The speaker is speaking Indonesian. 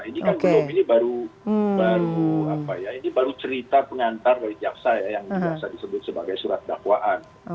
ini kan belum ini baru cerita pengantar dari jaksa ya yang biasa disebut sebagai surat dakwaan